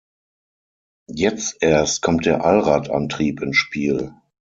Jetzt erst kommt der Allradantrieb ins Spiel.